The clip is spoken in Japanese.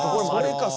それか。